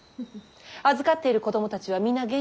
預かっている子供たちは皆元気？